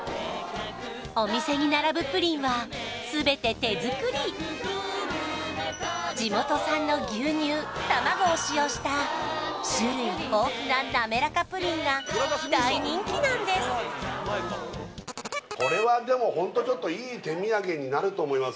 お店に並ぶプリンはすべて手作り地元産の牛乳卵を使用した種類豊富ななめらかプリンが大人気なんですこれはでもホントちょっといい手土産になると思います